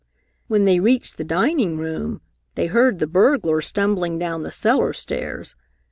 When they reached the dining room, they heard the burglar stumbling down the cellar stairs.